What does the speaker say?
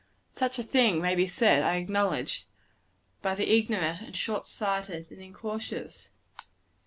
Such a thing may be said, I acknowledge, by the ignorant, and short sighted, and incautious.